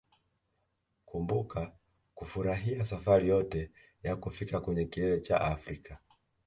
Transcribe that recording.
Kumbuka kufurahia safari yote ya kufika kwenye kilele cha Afrika